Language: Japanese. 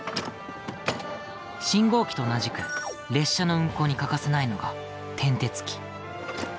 信号機と同じく列車の運行に欠かせないのが、転てつ機。